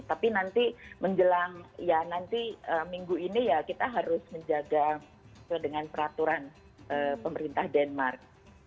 tapi nanti menjelang ya nanti minggu ini ya kita harus menjaga dengan peraturan pemerintah denmark